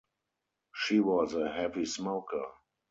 She was a heavy smoker.